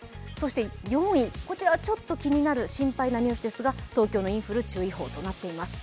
４位、こちらはちょっと気になる心配なニュースですが東京のインフル注意報となっています。